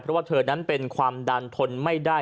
เพราะว่าเธอนั้นเป็นความดันทนไม่ได้